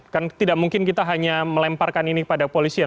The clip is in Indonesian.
kan tidak mungkin kita hanya melemparkan ini kepada polisian